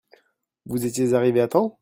Vous étiez arrivé à temps ?